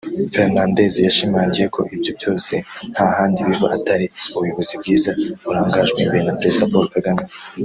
Fernandez yashimangiye ko ibyo byose nta handi biva atari ubuyobozi bwiza burangajwe imbere na Perezida Paul Kagame